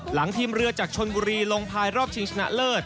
หลังทีมเรือจากชนบุรีลงภายรอบชิงชนะเลิศ